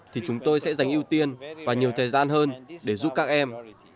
thì chúng tôi sẽ dành ưu tiên và nhiều thời gian hơn để giúp các em